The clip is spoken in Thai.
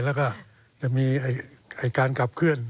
แล้วก็จะมีการขับเคลื่อน